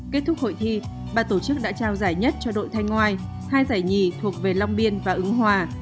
kết thúc hội thi ba tổ chức đã trao giải nhất cho đội thanh ngoài hai giải nhì thuộc về long biên và ứng hòa